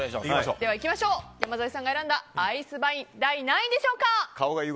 山添さんが選んだアイスバインは第何位でしょう。